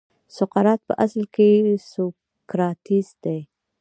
سقراط په اصل کې سوکراتیس دی.